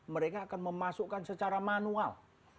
mereka akan memasukkan secara manual